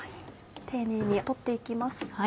丁寧に取って行きます。